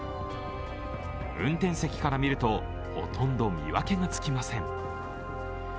運転席から見ると、ほとんど見分けがつきません。